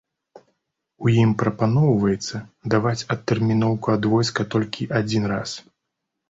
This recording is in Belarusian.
У ім прапаноўваецца даваць адтэрміноўку ад войска толькі адзін раз.